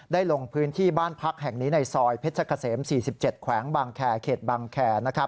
ลงพื้นที่บ้านพักแห่งนี้ในซอยเพชรเกษม๔๗แขวงบางแคร์เขตบางแคร์